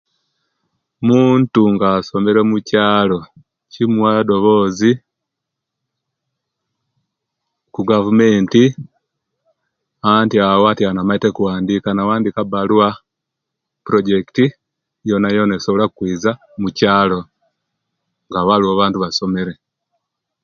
Muntu nga asomere mukyaalo kimuwa edoboozi ku gavumenti, anti awo atianu amaite okuwandika nawandiika ebaluwa projekiti yona yona esobola okwiiza omukyaalo anga waliwo abantu abasomere.